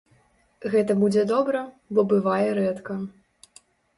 Гэта будзе добра, бо бывае рэдка.